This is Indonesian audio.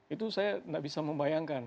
itu saya tidak bisa membayangkan